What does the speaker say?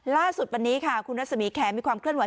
ล่าสุดวันนี้ค่ะคุณรัศมีแขมีความเคลื่อนไ